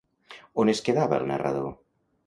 On es quedava el narrador?